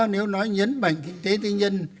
nếu nói nhấn mạnh kinh tế tư nhân